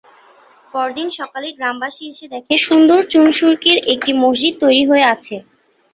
পরদিন সকালে গ্রামবাসী এসে দেখে সুন্দর চুন-সুরকির একটি মসজিদ তৈরি হয়ে আছে।